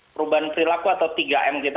perubahan perilaku atau tiga m kita